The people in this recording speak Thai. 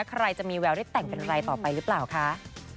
และใครจะมีแววได้แต่งกันอะไรต่อไปรึเปล่าค่ะ